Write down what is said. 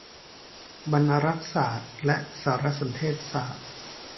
บรรณารักษศาสตร์และสารสนเทศศาสตร์